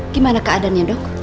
gimana keadaannya dok